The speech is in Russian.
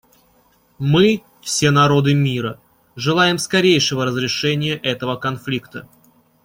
Мы, все народы мира, желаем скорейшего разрешения этого конфликта.